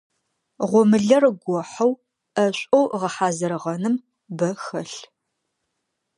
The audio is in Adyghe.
Гъомылэр гохьэу, ӏэшӏоу гъэхьазырыгъэным бэ хэлъ.